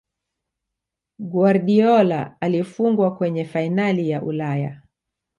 Guardiola alifungwa kwenye fainali ya Ulaya